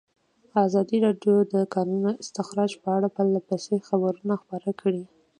ازادي راډیو د د کانونو استخراج په اړه پرله پسې خبرونه خپاره کړي.